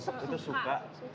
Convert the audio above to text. resep banget gitu ya